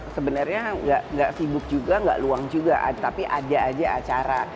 sebenarnya nggak sibuk juga nggak luang juga tapi ada aja acara